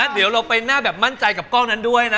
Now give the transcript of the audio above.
เดี๋ยวเราไปหน้าแบบมั่นใจกับกล้องนั้นด้วยนะ